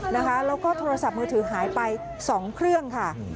แล้วก็โทรศัพท์มือถือหายไป๒เครื่องค่ะ